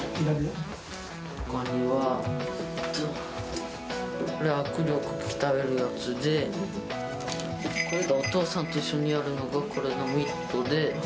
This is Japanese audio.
ほかには、これが握力を鍛えるやつで、これが、お父さんと一緒にやるのが、これがミットで。